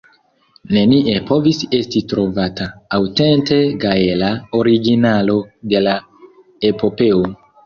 Nenie povis esti trovata aŭtenta gaela originalo de la epopeo.